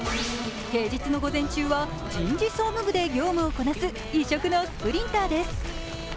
平日の午前中は人事総務部で業務をこなす異色のスプリンターです。